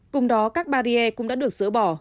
cùng đó các barriere cũng đã được sửa bỏ